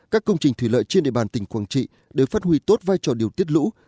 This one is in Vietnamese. các công trình thủy lợi trên địa bàn tỉnh quảng trị đều phát huy tốt vai trò điều tiết lũ